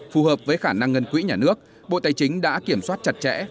phù hợp với khả năng ngân quỹ nhà nước bộ tài chính đã kiểm soát chặt chẽ